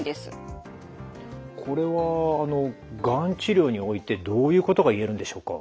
これはがん治療においてどういうことが言えるんでしょうか？